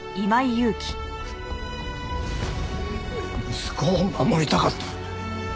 息子を守りたかった。